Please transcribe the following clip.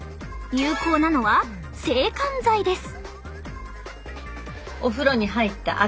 有効なのは制汗剤です。